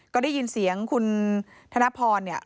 ก็ได้ยินเสียงคุณธนพรเนี่ย